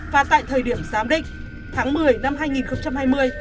và tại thời điểm giám định tháng một mươi năm hai nghìn hai mươi